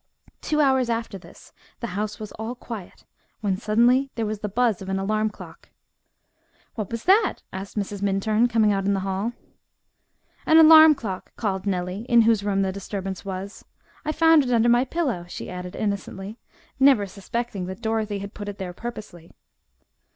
Two hours after this the house was all quiet, when suddenly, there was the buzz of an alarm clock. "What was that?" asked Mrs. Minturn, coming out in the hall. "An alarm clock," called Nellie, in whose room the disturbance was. "I found it under my pillow," she added innocently, never suspecting that Dorothy had put it there purposely.